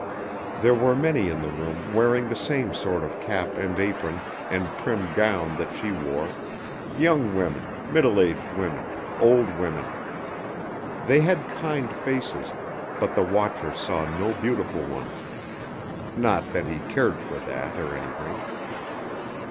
There were many in the room wearing the same sort of cap and apron and prim gown that she wore: young women, middle aged women, old women. They had kind faces, but the watcher saw no beautiful ones. Not that he cared for that, or anything.